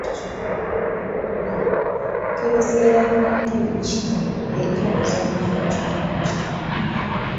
Ekereziya y'Abakatoliki ejaguza emyaka kikumi mu kitundu.